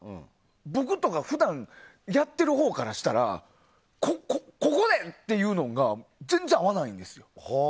僕とか普段やってるほうからしたらここで？というのが全然、合わないんですよ。